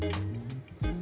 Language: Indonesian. ada yang kaya gitu